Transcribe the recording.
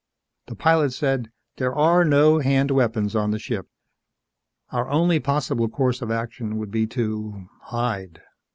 The pilot said: "There are no hand weapons on the ship. Our only possible course of action would be to hide."